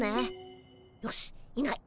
よしいない。